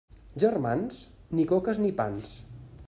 Germans, ni coques ni pans.